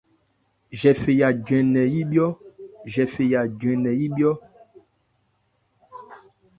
Jɛphɛ́ya 'jrɛn nkɛ yíbhyɔ́.